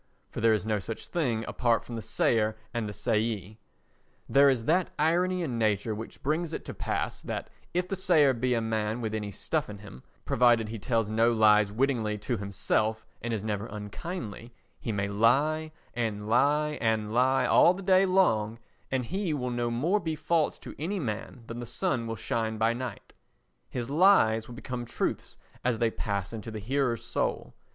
for there is no such thing apart from the sayer and the sayee. There is that irony in nature which brings it to pass that if the sayer be a man with any stuff in him, provided he tells no lies wittingly to himself and is never unkindly, he may lie and lie and lie all the day long, and he will no more be false to any man than the sun will shine by night; his lies will become truths as they pass into the hearer's soul.